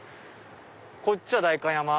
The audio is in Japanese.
こっちは代官山。